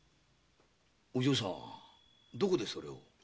お嬢さんどこでそれを？